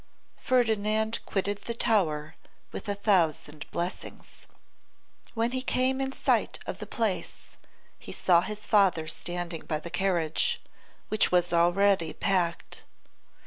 Ferdinand quitted the tower with a thousand blessings. When he came in sight of the Place he saw his father standing by the carriage, which was already packed.